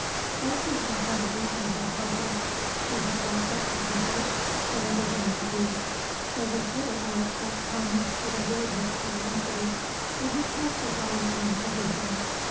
Elsie had been reasonably careful. She had locked up her papers, whatever they might be. There was little else that promised to reward his curiosity, but he cast his eye on everything.